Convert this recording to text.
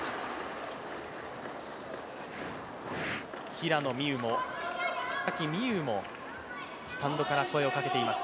平野美宇も長崎美柚もスタンドから声をかけています。